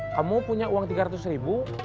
kamu punya uang tiga ratus ribu